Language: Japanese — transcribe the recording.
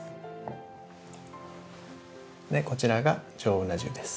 こちらが上うな重です。